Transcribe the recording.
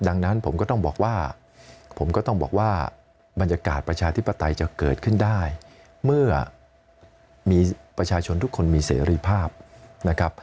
ดังนั้นผมก็ต้องบอกว่าผมก็ต้องบอกว่าบรรยากาศประชาธิปไตยจะเกิดขึ้นได้เมื่อมีประชาชนทุกคนมีเสรีภาพนะครับ